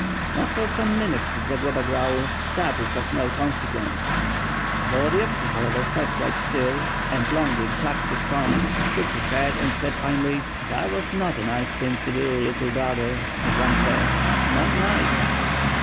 Not for some minutes did Zagloba growl: "That is of no consequence." Volodiyovski, however, sat quite still, and Longin clacked his tongue, shook his head and said finally: "That was not a nice thing to do, little brother, as one says, not nice."